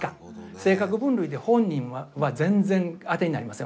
性格分類で本人は全然当てになりません。